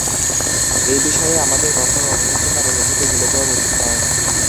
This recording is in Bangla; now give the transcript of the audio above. এই বিষয়ে আমাদের কখনো অনুশোচনার অনুভূতি ভুলে যাওয়া উচিত নয়।